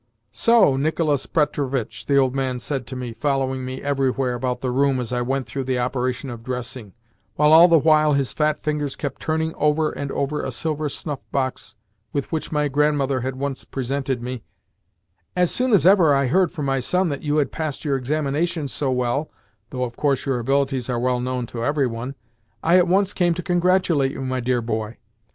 "So, Nicolas Petrovitch," the old man said to me, following me everywhere about the room as I went through the operation of dressing, while all the while his fat fingers kept turning over and over a silver snuff box with which my grandmother had once presented me, "as soon as ever I heard from my son that you had passed your examinations so well (though of course your abilities are well known to everyone), I at once came to congratulate you, my dear boy.